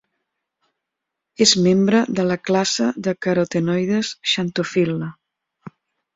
És membre de la classe de carotenoides xantofil·la.